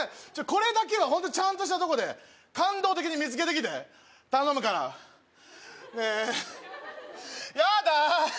これだけはホントにちゃんとしたとこで感動的に見つけてきて頼むからねえヤダ！